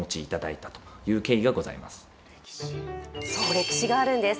歴史があるんです。